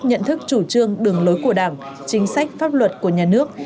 nhận thức chủ trương đường lối của đảng chính sách pháp luật của nhà nước